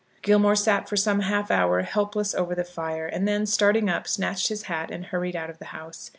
Gilmore sat for some half hour helpless over the fire; and then starting up, snatched his hat, and hurried out of the house.